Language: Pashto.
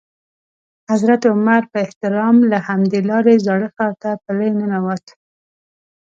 حضرت عمر په احترام له همدې لارې زاړه ښار ته پلی ننوت.